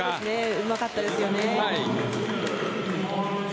うまかったですよね。